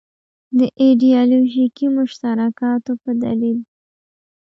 د ایدیالوژیکو مشترکاتو په دلیل.